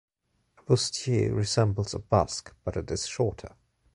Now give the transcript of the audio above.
A bustier resembles a basque, but it is shorter.